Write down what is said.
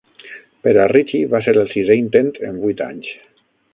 Per a Richie va ser el sisè intent en vuit anys.